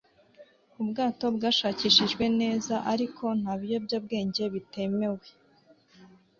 ubwato bwashakishijwe neza, ariko nta biyobyabwenge bitemewe